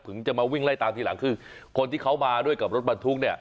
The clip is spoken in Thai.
จะมาวิ่งไล่ตามทีหลังคือคนที่เขามาด้วยกับรถบรรทุกเนี่ย